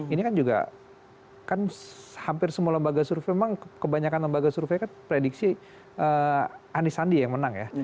ini kan juga kan hampir semua lembaga survei memang kebanyakan lembaga survei kan prediksi anisandi yang menang ya